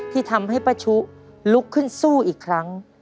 ที่ทำให้ป้าชุลุกขึ้นสู้อีกครั้ง